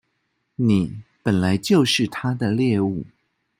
你本來就是他的獵物